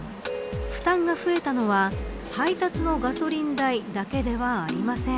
負担が増えたのは配達のガソリン代だけではありません。